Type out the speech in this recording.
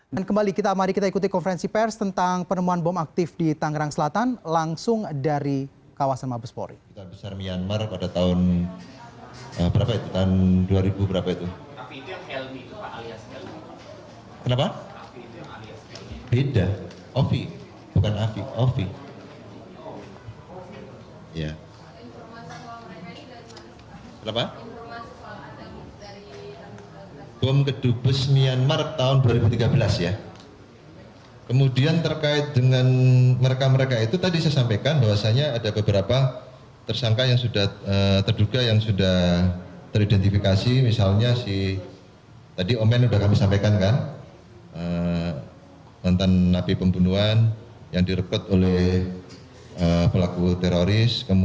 dan kembali kita mari kita ikuti konferensi pers tentang penemuan bom aktif di tangerang selatan langsung dari kawasan mabespori